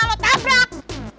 mobil gua sama bapak